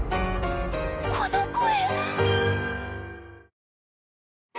この声。